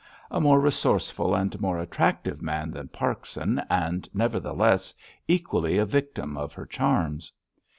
A more resourceful and more attractive man than Parkson, and, nevertheless, equally a victim of her charms.